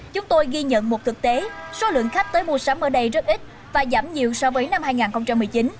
chúng tôi ghi nhận một thực tế số lượng khách tới mua sắm ở đây rất ít và giảm nhiều so với năm hai nghìn một mươi chín